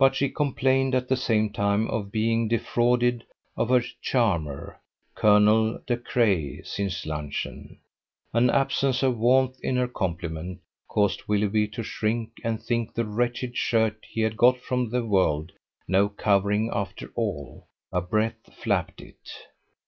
But she complained at the same time of being defrauded of her "charmer" Colonel De Craye, since luncheon. An absence of warmth in her compliment caused Willoughby to shrink and think the wretched shirt he had got from the world no covering after all: a breath flapped it.